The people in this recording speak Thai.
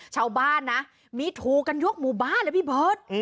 ชาวบ้านนะมีถูกกันยกหมู่บ้านเลยพี่เบิร์ต